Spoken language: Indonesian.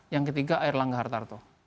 yang ketiga ayr langga hartarto